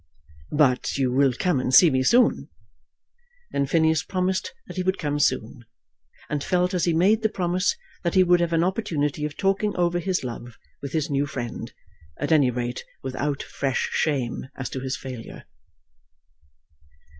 "But you will come and see me soon." Then Phineas promised that he would come soon; and felt as he made the promise that he would have an opportunity of talking over his love with his new friend at any rate without fresh shame as to his failure.